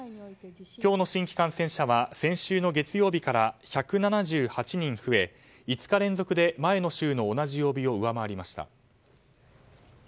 今日の新規感染者は先週の月曜日から１７８人増え５日連続で前の週の同じ曜日を上回りました。